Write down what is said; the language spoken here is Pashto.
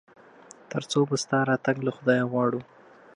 تر څو به ستا راتګ له خدايه غواړو ؟